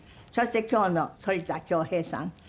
そして今日の反田恭平さん。